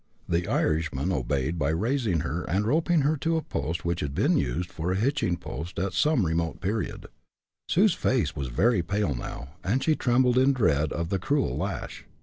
The Irishman obeyed by raising her and roping her to a post which had been used for a hitching post, at some remote period. Sue's face was very pale now, and she trembled in dread of the cruel lash.